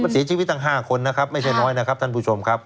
เสียชีวิตตั้ง๕คนนะครับไม่ใช่น้อยนะครับท่านผู้ชมครับ